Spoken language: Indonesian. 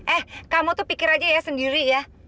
eh kamu tuh pikir aja ya sendiri ya